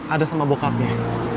ada sama bokapnya